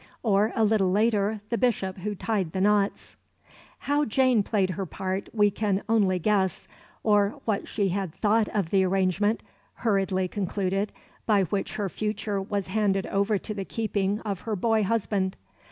or, a little later, the Bishop who tied the knots? How Jane played her part we can only guess, or what she had thought of the arrangement, hurriedly concluded, by which her future was handed over to the keeping of her boy husband.